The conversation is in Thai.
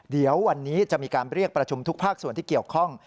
เดี๋ยววันนี้จะมีการเรียกประชุมทุกภาคส่วนที่เกี่ยวข้อง